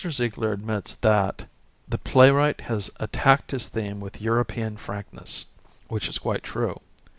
Ziegler admits that "the playwright has attacked his theme with European frankness" â€" which is quite true.